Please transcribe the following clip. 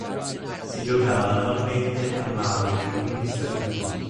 Si giocava annualmente a Maui negli Stati Uniti.